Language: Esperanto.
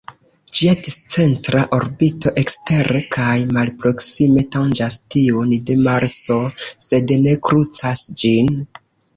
Ĝia discentra orbito ekstere kaj malproksime tanĝas tiun de Marso, sed ne krucas ĝin.